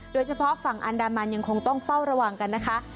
โดยเฉพาะฝั่งอันดามันยังคงต้องเฝ้าระวังกันนะคะ